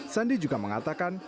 sandi juga mengatakan